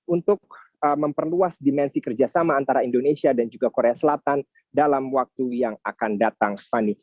untuk memperluas dimensi kerjasama antara indonesia dan juga korea selatan dalam waktu yang akan datang fani